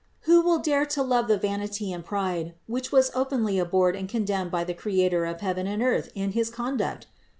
Who will dare to love the vanity and pride, which was openly abhorred and condemned by the Crea tor of heaven and earth in his conduct?